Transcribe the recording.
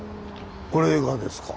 これがですか。